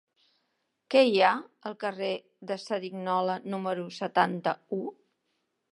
Què hi ha al carrer de Cerignola número setanta-u?